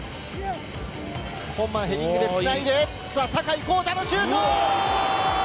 本間、ヘディングでつないで、さあ、坂井航太のシュート。